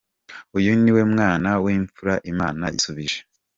Uyu niwe mwana w’imfura Imana yisubije.